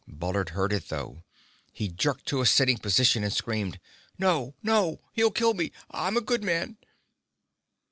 Bullard heard it, though. He jerked to a sitting position, and screamed. "No! No! He'll kill me! I'm a good man...."